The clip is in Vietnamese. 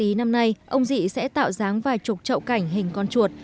ý năm nay ông dị sẽ tạo dáng vài chục trậu cảnh hình con chuột